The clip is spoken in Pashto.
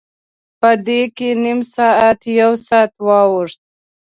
په دې کې نیم ساعت، یو ساعت واوښت.